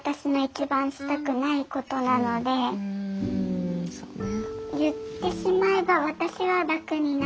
うんそうね。